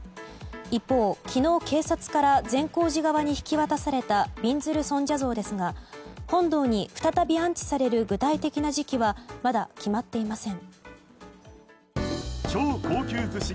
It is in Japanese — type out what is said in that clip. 一方、昨日警察から善光寺側に引き渡されたびんずる尊者像ですが本堂に再び安置される具体的な時期はまだ決まっていません。